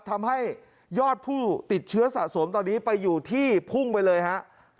ทำให้ยอดผู้ติดเชื้อสะสมตอนนี้ไปอยู่ที่พุ่งไปเลยครับ